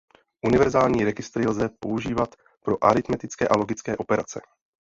Univerzální registry lze používat pro aritmetické a logické operace.